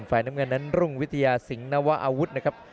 น้ำเงินนั้นรุ่งวิทยาสิงหนวะอาวุธนะครับ